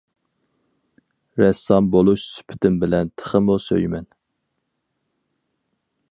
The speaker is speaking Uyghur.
رەسسام بولۇش سۈپىتىم بىلەن تېخىمۇ سۆيىمەن.